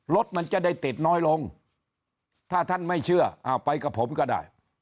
รถมันจะได้ติดน้อยลงถ้าท่านไม่เชื่อเอาไปกับผมก็ได้